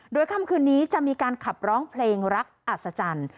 โดยค่ำคืนนี้จะมีการขับร้องเพลงรักอัศจรรย์